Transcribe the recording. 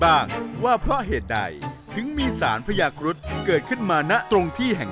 ได้ฟังตำนานของพระยาครุฑิ์กันไปแล้ว